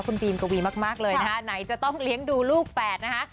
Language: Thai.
คุณบีมกวีมากเลยนะคะไหนจะต้องเลี้ยงดูลูกแฝดนะคะ